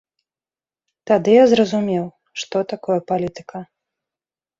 Тады я зразумеў, што такое палітыка.